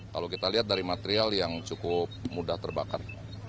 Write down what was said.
kalau kita lihat dari material yang cukup mudah terbakar